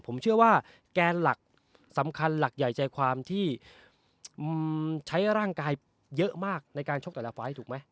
ผมเชื่อว่าแกนหลักสำคัญหลักใหญ่ใจความที่ใช้ร่างกายเยอะมากในการชกแต่ละไฟล์ถูกไหม